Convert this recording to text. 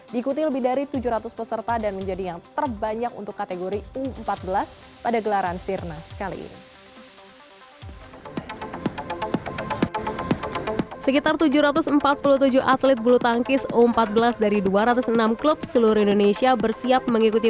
diikuti lebih dari tujuh ratus peserta dan menjadi yang terbanyak untuk kategori u empat belas pada gelaran sirnas kali ini